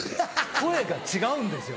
声が違うんですよ。